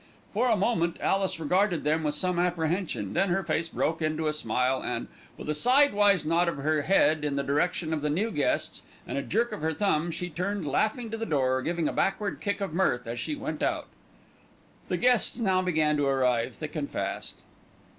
For a moment Alice regarded them with some apprehension, then her face broke into a smile and, with a sideways nod of her head in the direction of the new guests and a jerk of her thumb, she turned laughing to the door, giving a backward kick of mirth as she went out. The guests now began to arrive thick and fast.